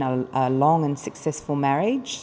nhưng vẫn tiếp tục làm việc